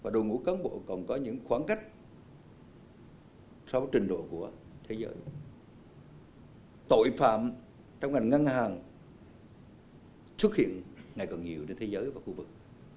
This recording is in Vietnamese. trong trình độ của thế giới tội phạm trong ngành ngân hàng xuất hiện ngày càng nhiều trên thế giới và khu vực